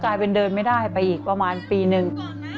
ก็จะเป็นเดินไม่ได้ไปอีกประมาณปีหนึ่ง